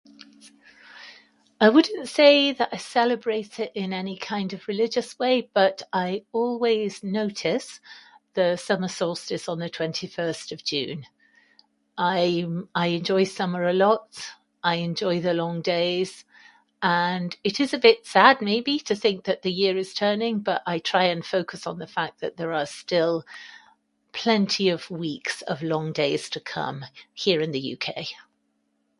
I wouldn't say that I celebrate it in any kind of religious way, but I always notice the summer solstice on the twenty first of June. I'm... I enjoy summer a lot, I enjoy the long days, and it is a bit sad, maybe, to think that the year is turning. But I try to focus on the fact that there are still plenty of weeks of long days to come here in the UK.